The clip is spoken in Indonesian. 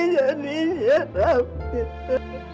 jadi ya amin